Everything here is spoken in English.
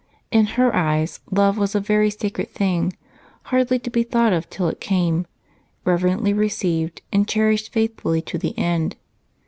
In her eyes love was a very sacred thing, hardly to be thought of till it came, reverently received and cherished faithfully to the end.